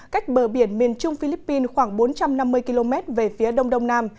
cách bờ biển miền trung philippines khoảng bốn trăm năm mươi km về phía đông đông nam